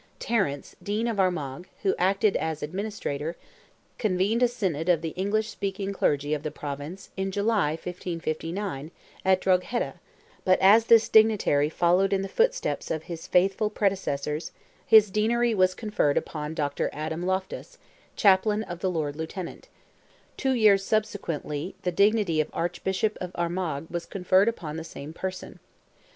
Terence, Dean of Armagh, who acted as administrator, convened a Synod of the English speaking clergy of the Province in July, 1559, at Drogheda, but as this dignitary followed in the steps of his faithful predecessors, his deanery was conferred upon Dr. Adam Loftus, Chaplain of the Lord Lieutenant; two years subsequently the dignity of Archbishop of Armagh was conferred upon the same person.